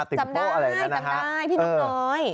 จำได้จำได้พี่นกน้อย